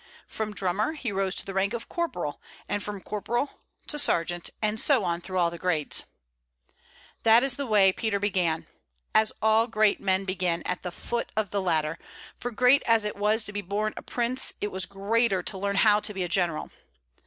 From drummer he rose to the rank of corporal, and from corporal to sergeant, and so on through all the grades. That is the way Peter began, as all great men begin, at the foot of the ladder; for great as it was to be born a prince, it was greater to learn how to be a general.